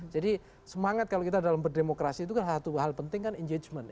jadi semangat kalau kita dalam berdemokrasi itu kan satu hal penting kan engagement